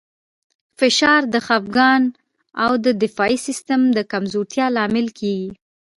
فشار د خپګان او د دفاعي سیستم د کمزورتیا لامل کېږي.